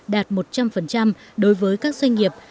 đạt một trăm linh đối với các doanh nghiệp